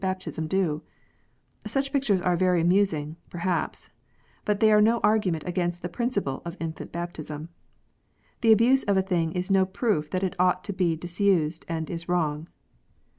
baptism do 1 " Such pictures are very amusing, perhaps, _but they are no argument against the principle of infant baptism. The abuse of a thing is no proof that it ought to be disused and is wrong.